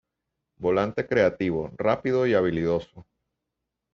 Volante creativo, rápido y habilidoso.